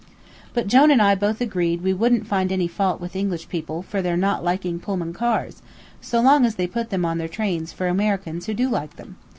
But Jone and I both agreed we wouldn't find any fault with English people for not liking Pullman cars, so long as they put them on their trains for Americans who do like them.